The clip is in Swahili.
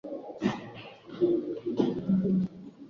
Dalili muhimu za ugonjwa ni kiwele kinaweza kuvimba